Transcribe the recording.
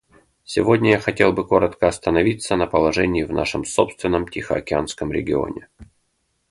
Сегодня я хотел бы коротко остановиться на положении в нашем собственном Тихоокеанском регионе.